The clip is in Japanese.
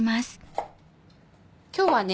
今日はね